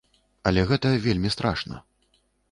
Але гэта вельмі страшна.